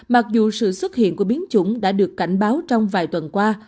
mặc dù sự xuất hiện của biến chủng đã được cảnh báo trong vài tuần qua